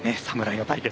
この対決。